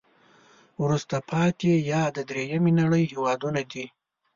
وروسته پاتې یا د دریمې نړی هېوادونه دي.